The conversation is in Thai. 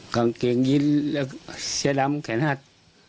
กางเกงยินแล้วเสื้อดำแขนหัก